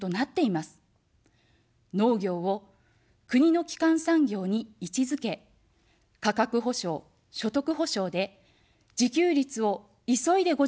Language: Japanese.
農業を国の基幹産業に位置づけ、価格補償、所得補償で自給率を急いで５０％に戻します。